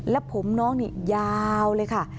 และผมน้องนี่ยาวเลยค่ะ